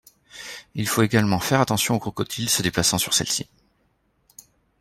Il faut également faire attention aux crocodiles se déplaçant sur celles-ci.